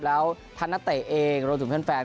แล้วท่านนักเตะเองรวมถึงแฟน